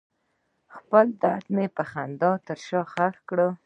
خپل درد مې د خندا تر شا ښخ کړ.